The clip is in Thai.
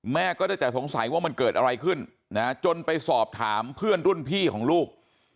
ก็ได้แต่สงสัยว่ามันเกิดอะไรขึ้นนะจนไปสอบถามเพื่อนรุ่นพี่ของลูก